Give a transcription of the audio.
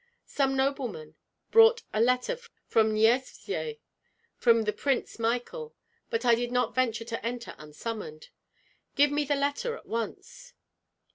"Some noblemen brought a letter from Nyesvyej from the Prince Michael, but I did not venture to enter unsummoned." "Give me the letter at once!"